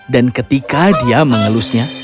dan ketika dia mengelusnya